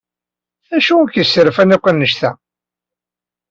Acu k-yesserfan akk annect-a?